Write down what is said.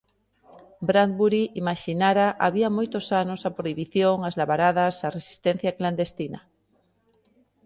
Bradbury imaxinara, había moitos anos, a prohibición, as labaradas, a resistencia clandestina.